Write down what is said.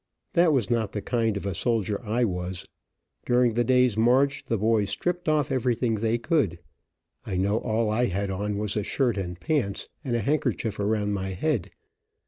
That was not the kind of a soldier I was. During the day's march the boys stripped off everything they could. I know all I had on was a shirt and pants, and a handkerchief around my head.